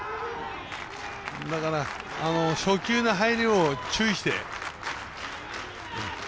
だから初球の入りを注意して。